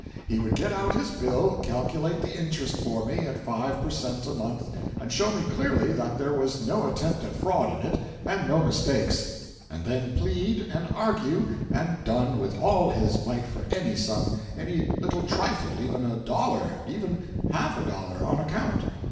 He would get out his bill, calculate the interest for me, at five per cent a month, and show me clearly that there was no attempt at fraud in it and no mistakes; and then plead, and argue and dun with all his might for any sum—any little trifle—even a dollar—even half a dollar, on account.